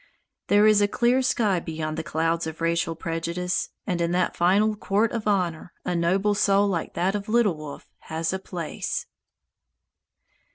There is a clear sky beyond the clouds of racial prejudice, and in that final Court of Honor a noble soul like that of Little Wolf has a place.